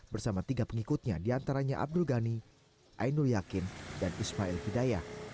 bersama tiga pengikutnya diantaranya abdul ghani ainul yakin dan ismail hidayah